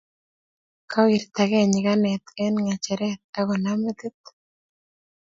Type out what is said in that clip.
kawirtagei nyikanet eng ngecheret akonam metit